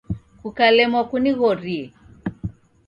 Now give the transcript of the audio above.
Kukalemwa kunighorie